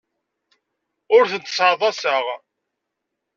Ur tent-sseɛḍaseɣ.